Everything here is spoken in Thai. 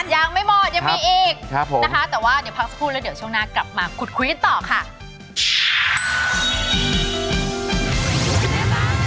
ยังไม่หมดยังมีอีกนะคะแต่ว่าเดี๋ยวพักสักครู่แล้วเดี๋ยวช่วงหน้ากลับมาขุดคุยกันต่อค่ะ